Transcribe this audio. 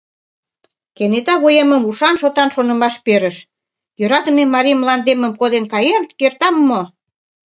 Кенета вуемым ушан-шотан шонымаш перыш: «Йӧратыме марий мландемым коден каен кертам мо?